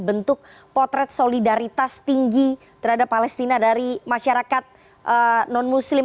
bentuk potret solidaritas tinggi terhadap palestina dari masyarakat non muslim